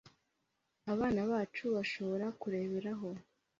abana bacu bashora kureberaho